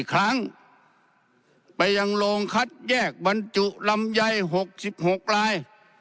ครั้งไปยังโรงคัดแยกบรรจุลำใยหกสิบหกราย